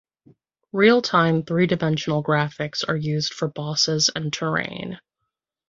Real time three dimensional graphics are used for bosses and terrain.